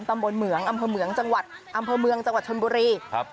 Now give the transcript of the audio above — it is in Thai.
เมืองเหมืองอำเภอเมืองจังหวัดอำเภอเมืองจังหวัดชนบุรีครับ